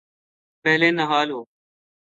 پہلے نہا لو ـ